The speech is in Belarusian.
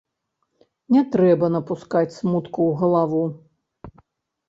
Не трэба напускаць смутку ў галаву.